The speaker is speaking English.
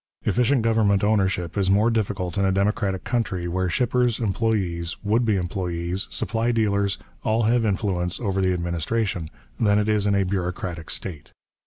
Efficient government ownership is more difficult in a democratic country where shippers, employees, would be employees, supply dealers, all have influence over the administration, than it is in a bureaucratic state.